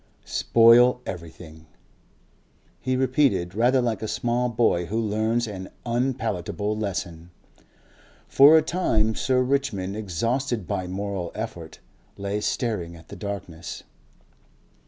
"Spoil everything," he repeated, rather like a small boy who learns an unpalatable lesson. For a time Sir Richmond, exhausted by moral effort, lay staring at the darkness.